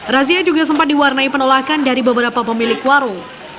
razia juga sempat diwarnai penolakan dari beberapa pemilik warung